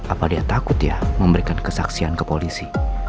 apa dia takut ya memberikan kesaksian ke polisi